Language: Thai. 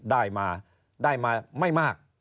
ได้มาได้มาไม่มาก